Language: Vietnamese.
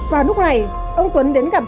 và lúc này ông tuấn đến gặp